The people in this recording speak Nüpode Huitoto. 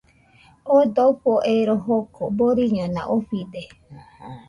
Oo dofo ero joko boriñona ofide.